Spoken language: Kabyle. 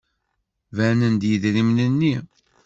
Banen-d yidrimen-nni.